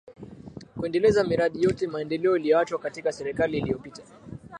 Kuendeleza miradi yote ya maendeleo ilioachwa katika serikali iliyopita